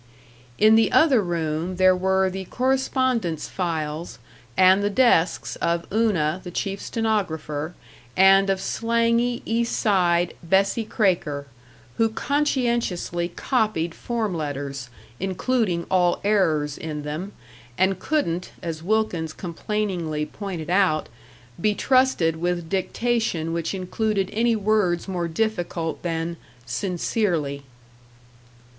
In the other room there were the correspondence files, and the desks of Una, the chief stenographer, and of slangy East Side Bessie Kraker, who conscientiously copied form letters, including all errors in them, and couldn't, as Wilkins complainingly pointed out, be trusted with dictation which included any words more difficult than "sincerely."